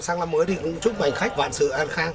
sáng năm mới thì cũng chúc hành khách vạn sự an khang